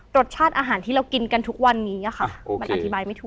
รสชาติอาหารที่เรากินกันทุกวันนี้ค่ะมันอธิบายไม่ถูก